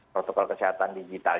protokol kesehatan digital